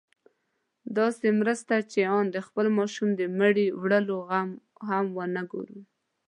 داسې مرسته چې آن د خپل ماشوم د مړي وړلو غم هم ونه ګورم.